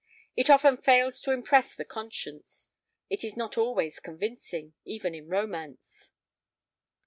It often fails to impress the conscience. It is not always convincing, even in romance.